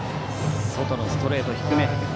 外のストレート、低め。